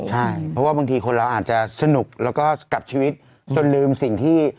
ใช่เพราะว่าบางทีคนเราอาจจะสนุกแล้วก็กลับชีวิตจนลืมสิ่งที่